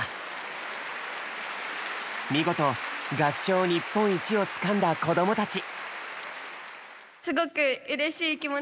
見事合唱日本一をつかんだ子供たち。